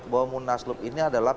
bahwa munas loop ini adalah